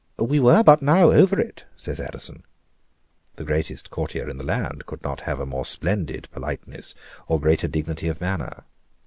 "We were but now over it," says Addison (the greatest courtier in the land could not have a more splendid politeness, or greater dignity of manner).